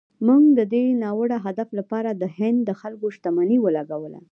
موږ د دې ناوړه هدف لپاره د هند د خلکو شتمني ولګوله.